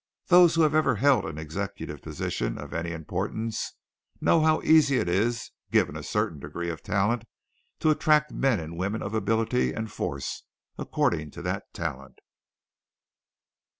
Those who have ever held an executive position of any importance know how easy it is, given a certain degree of talent, to attract men and women of ability and force according to that talent.